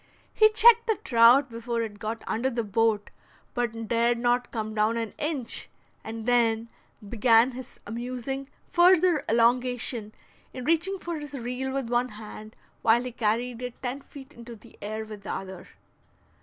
He checked the trout before it got under the boat, but dared not come down an inch, and then began his amusing further elongation in reaching for his reel with one hand while he carried it ten feet into the air with the other.